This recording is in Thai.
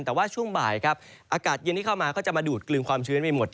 แต่ว่าช่วงบ่ายครับอากาศเย็นที่เข้ามาก็จะมาดูดกลึงความชื้นไปหมด